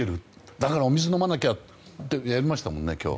だからお水を飲まなきゃとなりました、今日。